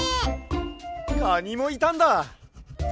カニもいたんだ！